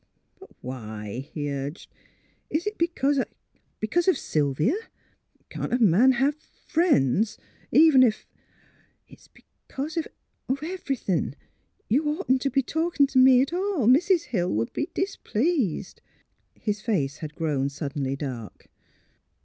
'' But, why? " he urged. "Is it because I —• because of Sylvia? Can't a man have friends, even if " ''It's — because of everything. ... You oughtn't to be talking to me at all. Mrs. Hill would be displeased." His face had grown suddenly dark.